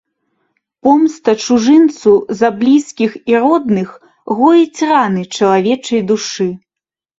Помста чужынцу за блізкіх і родных гоіць раны чалавечай душы.